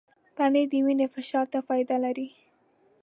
پنېر د وینې فشار ته فایده لري.